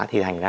thì thành ra